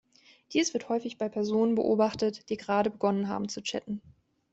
Dies wird häufig bei Personen beobachtet, die gerade begonnen haben zu chatten.